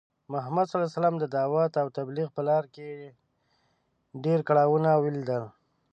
محمد ص د دعوت او تبلیغ په لاره کې ډی کړاوونه ولیدل .